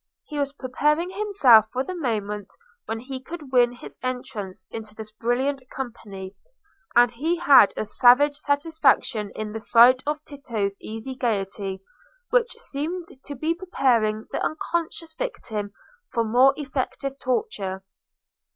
He was preparing himself for the moment when he could win his entrance into this brilliant company; and he had a savage satisfaction in the sight of Tito's easy gaiety, which seemed to be preparing the unconscious victim for more effective torture.